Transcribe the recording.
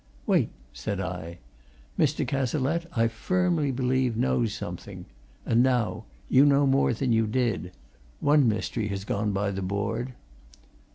"Wait!" said I. "Mr. Cazalette, I firmly believe, knows something. And now you know more than you did. One mystery has gone by the board."